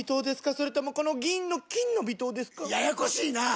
それともこの銀の「金の微糖」ですか？ややこしいなぁ！